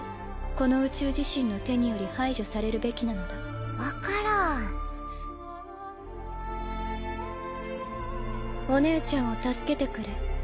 この宇宙自身の手により排除されるべきな分からんおねえちゃんを助けてくれ。